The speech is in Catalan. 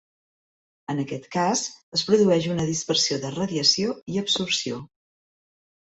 En aquest cas, es produeix una dispersió de radiació i absorció.